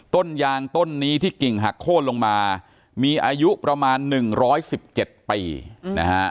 ต้นยางต้นนี้ที่กิ่งหักโค้นลงมามีอายุประมาณ๑๑๗ปีนะฮะ